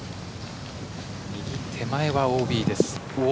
右手前はＯＢです。